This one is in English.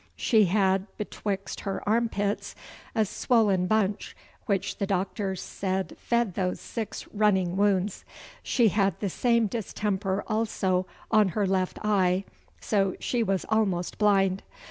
She had betwixt her arm pits a swollen bunch, which the doctors said fed those six running wounds. She had the same distemper also on her left eye, so she was almost blind.